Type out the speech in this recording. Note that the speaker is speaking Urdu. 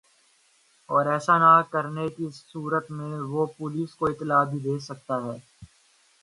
اور ایسا نہ کرنے کی صورت میں وہ پولیس کو اطلاع بھی دے سکتا ہے